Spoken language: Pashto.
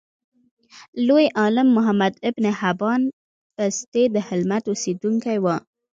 لوی عالم محمد ابن حبان بستي دهلمند اوسیدونکی و.